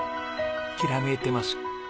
きらめいてます。